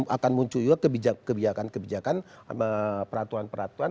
akan muncul juga kebijakan kebijakan peratuan peratuan